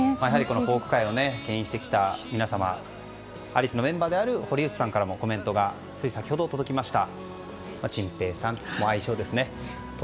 フォーク界を牽引してきたアリスのメンバーである堀内さんからもコメントがつい先ほど届きました。